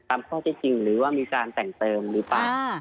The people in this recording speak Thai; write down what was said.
ข้อที่จริงหรือว่ามีการแต่งเติมหรือเปล่า